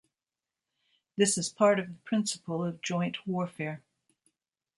This is part of the principle of joint warfare.